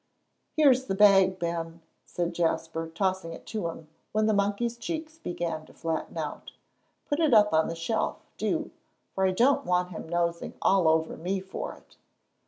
"Here's the bag, Ben," said Jasper, tossing it to him, when the monkey's cheeks began to flatten out. "Put it up on the shelf, do, for I don't want him nosing all over me for it."